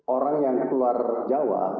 orang yang keluar jawa